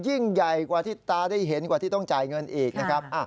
ยิ่งใหญ่กว่าที่ตาได้เห็นกว่าที่ต้องจ่ายเงินอีกนะครับ